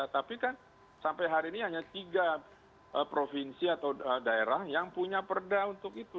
tapi kan sampai hari ini hanya tiga provinsi atau daerah yang punya perda untuk itu